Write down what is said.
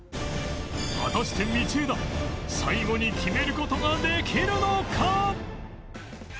果たして道枝最後に決める事ができるのか？